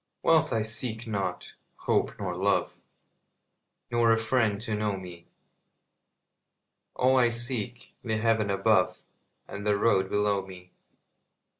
Wealth I seek not, hope nor love, Nor a friend to know me; All I seek, the heaven above And the road below me.